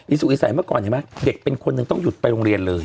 อิสุอิสัยเมื่อก่อนเด็กเป็นคนต้องหยุดไปโรงเรียนเลย